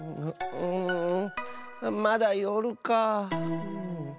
うんまだよるか。